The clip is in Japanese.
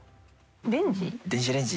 レンジ。